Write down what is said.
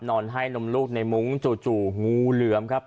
ให้นมลูกในมุ้งจู่งูเหลือมครับ